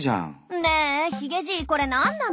ねえヒゲじいこれ何なの？